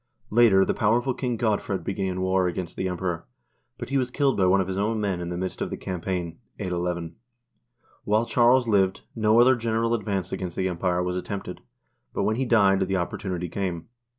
Later the powerful King Godfred began war against the Emperor, but he was killed by one of his own men in the midst of the campaign (81 1).1 While Charles lived, no other general ad vance against the Empire was attempted, but when he died, the opportunity came.